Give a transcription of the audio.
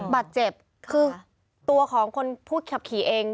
บาดเจ็บคือตัวของคนผู้ขับขี่เอง